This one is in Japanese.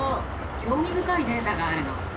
興味深いデータがあるの。